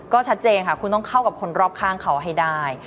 ก็ชัดเจนค่ะคุณต้องเข้ากับคนรอบข้างเขาให้ได้